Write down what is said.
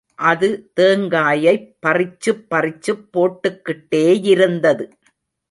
அது தேங்காயைப் பறிச்சுப் பறிச்சுப் போட்டுக்கிட்டேயிருந்தது.